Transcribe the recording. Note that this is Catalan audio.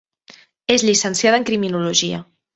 És llicenciada en criminologia.